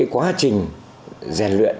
quá trình gian luyện